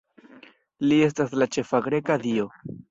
Li estas la ĉefa greka dio.